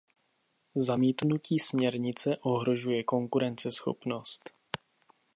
Zamítnutí směrnice ohrožuje konkurenceschopnost.